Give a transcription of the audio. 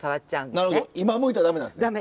なるほど今むいたら駄目なんですね。